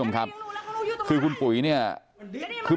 มันดิ้น